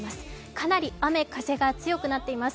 かなり雨風が強くなっています。